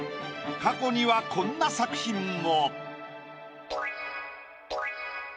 過去にはこんな作品も。